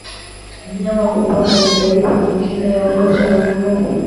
Mnyama kukonda ni dalili nyingine ya ugonjwa wa minyoo